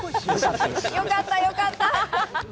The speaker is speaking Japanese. よかったよかった。